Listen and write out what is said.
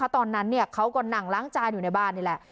ตอนนั้นเขาก็นั่งล้างจานอยู่ในบ้านนี่แหละ